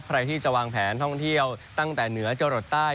ใครที่จะวางแผนท่องเที่ยวตั้งแต่เหนือจรดใต้